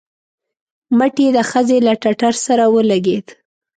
مټ يې د ښځې له ټټر سره ولګېد.